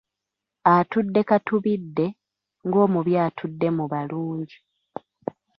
Atudde katubidde, ng’omubi atudde mu balungi.